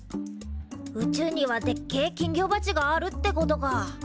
宇宙にはでっけえ金魚鉢があるってことか。